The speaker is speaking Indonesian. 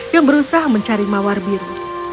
yang berusaha mencari mawar biru